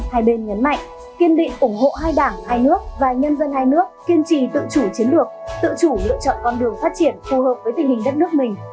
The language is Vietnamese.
hai bên nhấn mạnh kiên định ủng hộ hai đảng hai nước và nhân dân hai nước kiên trì tự chủ chiến lược tự chủ lựa chọn con đường phát triển phù hợp với tình hình đất nước mình